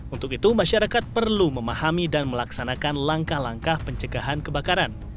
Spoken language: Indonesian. untuk itu masyarakat perlu memahami dan melaksanakan langkah langkah pencegahan kebakaran